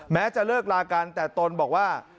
แม้จะเลิกลากันแต่ตนบอกว่า